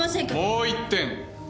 もう１点。